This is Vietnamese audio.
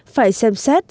phải xem xét